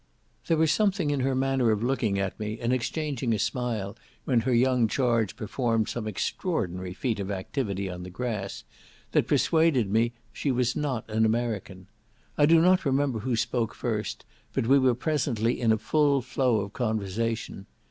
There was something in her manner of looking at me, and exchanging a smile when her young charge performed some extraordinary feat of activity on the grass, that persuaded me she was not an American. I do not remember who spoke first, but we were presently in a full flow of conversation.